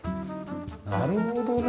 なるほどね。